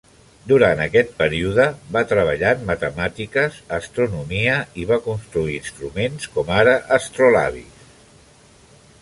Durant aquest període va treballar en matemàtiques, astronomia i va construir instruments com ara astrolabis.